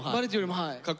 はい。